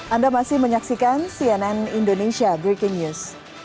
anda masih menyaksikan cnn indonesia breaking news